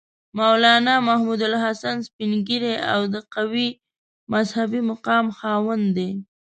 مولنا محمودالحسن سپین ږیری او د قوي مذهبي مقام خاوند دی.